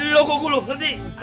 lo kukuluh ngerti